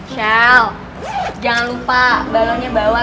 shell jangan lupa balonnya bawa